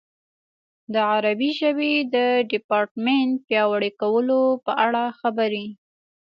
د عربي ژبې د ډیپارټمنټ پیاوړي کولو په اړه خبرې.